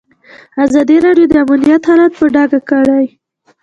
ازادي راډیو د امنیت حالت په ډاګه کړی.